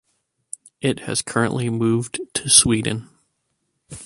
It has currently moved to Sweden.